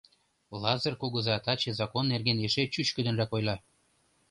Лазыр кугыза таче закон нерген эше чӱчкыдынрак ойла.